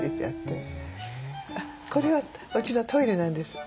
これはうちのトイレなんです。